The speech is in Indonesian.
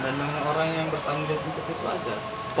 dan orang yang bertanggung jawab itu itu ada